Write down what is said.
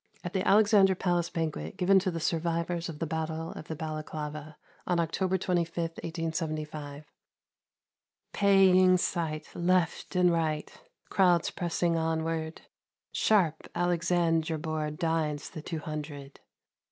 (Al the Alexandra Palace Banquet, given to the survivors of the Battle of Balaclava, on October 25, 1875). Paying sight ! Left and right. Crowds pressing onward, — Sharp Alexandra Board Dines the Two Hundred